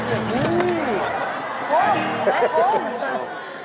โคมแบบโคม